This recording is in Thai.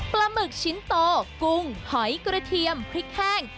ปลาหมึกชิ้นโตกุงกระเทียมผลิกแห้ง